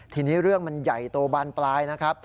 ทีนี้เรื่องมันใหญ่โตบานปลายนะครับ